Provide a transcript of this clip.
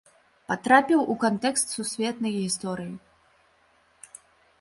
Патрапіў у кантэкст сусветнай гісторыі.